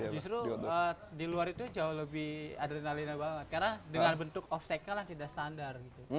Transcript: justru di luar itu jauh lebih adrenalin banget karena dengan bentuk obstacle yang tidak standar